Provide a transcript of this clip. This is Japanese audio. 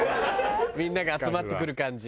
みんなが集まってくる感じ。